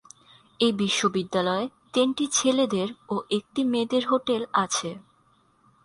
এই বিশ্ববিদ্যালয়ে তিনটি ছেলেদের ও একটি মেয়েদের হোটেল আছে।